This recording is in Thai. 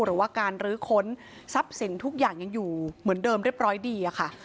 หรือว่าการรื้อค้นทรัพย์สินทุกอย่างยังอยู่เหมือนเดิมเรียบร้อยดีอะค่ะ